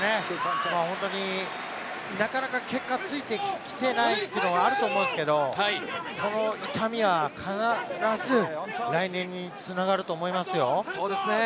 なかなか結果がついてきていないっていうのはあると思うんですけど、この痛みは必ず来年につながると思いますよ。